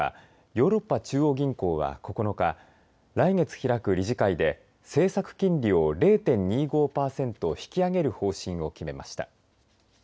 ヨーロッパ中央銀行は９日来月開く理事会で政策金利を０．２５パーセント引き上げる方針を決めました。